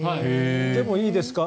でもいいですか？